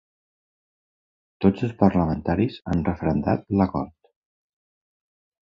Tots els parlamentaris han referendat l'acord.